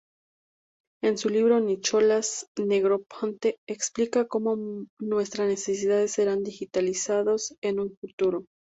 En su libro, Nicholas Negroponte explica cómo nuestras necesidades serán digitalizadas en un futuro.